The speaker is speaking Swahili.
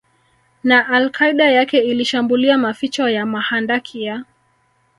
na Al Qaeda yake ilishambulia maficho ya mahandaki ya